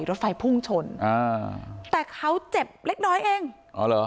รถไฟพุ่งชนอ่าแต่เขาเจ็บเล็กน้อยเองอ๋อเหรอ